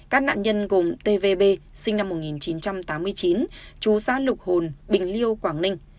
các nạn nhân gồm tvb sinh năm một nghìn chín trăm tám mươi chín chú xã lục hồn bình liêu quảng ninh